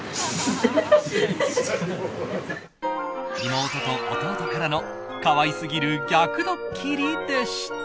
妹と弟からの可愛すぎる逆ドッキリでした。